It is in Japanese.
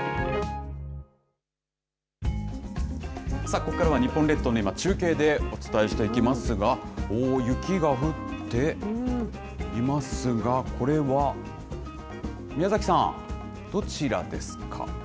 ここからは日本列島の今、中継でお伝えしていきますが、おー、雪が降っていますが、これは、宮崎さん、どちらですか。